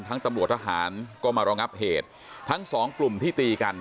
ตำรวจทหารก็มารองับเหตุทั้งสองกลุ่มที่ตีกัน